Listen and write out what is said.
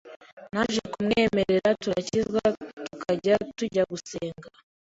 naje kumwemerera turakizwa tukajya tujya gusenga